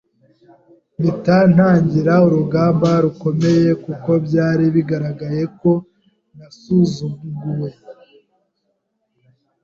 mpita ntangira urugamba rukomeye kuko byari bigaragaye ko nasuzuguye